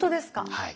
はい。